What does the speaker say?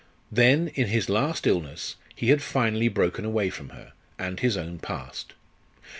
Then, in his last illness, he had finally broken away from her, and his own past.